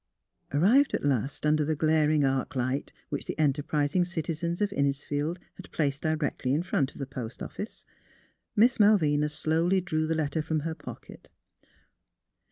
Arrived at last under the glaring arc light which the enterprising citizens of Innisfield had placed directly in front of the post office, Miss Malvina slowly drew the letter from her pocket.